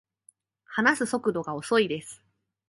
話す速度が遅いです